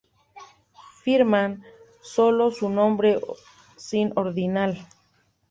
Firman sólo con su nombre, sin ordinal.